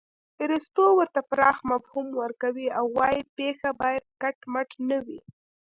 ارستو ورته پراخ مفهوم ورکوي او وايي پېښه باید کټ مټ نه وي